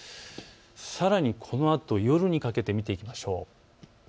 さらに夜にかけて見ていきましょう。